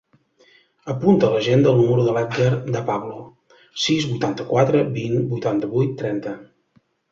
Apunta a l'agenda el número de l'Edgar De Pablo: sis, vuitanta-quatre, vint, vuitanta-vuit, trenta.